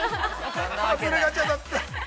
外れガチャだった。